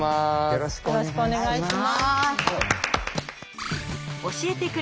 よろしくお願いします。